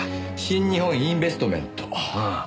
「新日本インベストメント」ああ。